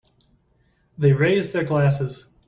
They raise their glasses.